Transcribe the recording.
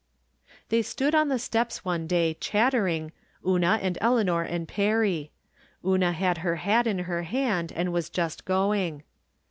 They stood on the steps one day, chattering, Una and Eleanor and Perry. Una had her hat in her hand, and was just going.